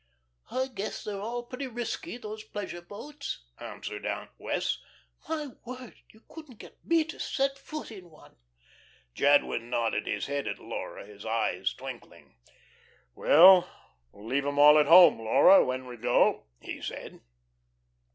"I guess they're all pretty risky, those pleasure boats," answered Aunt Wess'. "My word, you couldn't get me to set foot on one." Jadwin nodded his head at Laura, his eyes twinkling. "Well, we'll leave 'em all at home, Laura, when we go," he said.